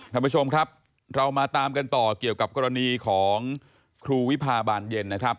ท่านผู้ชมครับเรามาตามกันต่อเกี่ยวกับกรณีของครูวิพาบานเย็นนะครับ